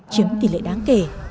chiếm tỷ lệ đáng kể